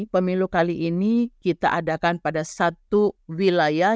pemilu kali ini kita adakan pada satu wilayah